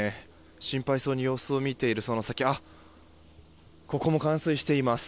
心配そうに様子を見ているその先ここも冠水しています。